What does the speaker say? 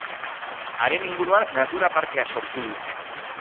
Haren inguruan, natura parkea sortu dute.